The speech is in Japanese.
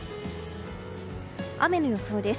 雨の予想です。